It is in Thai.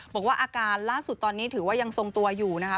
บอกว่าอาการล่าสุดตอนนี้ถือว่ายังทรงตัวอยู่นะคะ